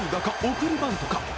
送りバントか？